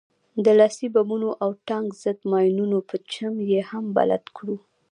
د لاسي بمونو او د ټانک ضد ماينونو په چم يې هم بلد کړو.